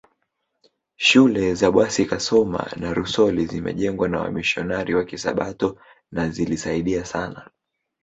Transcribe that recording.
Shule za Bwasi Kasoma na Rusoli zimejengwa na wamisionari wa Kisabato na zilisaidia sana